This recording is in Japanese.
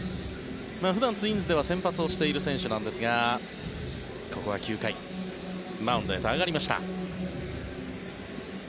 普段、ツインズでは先発している選手なんですがここは９回、マウンドへと上がりました。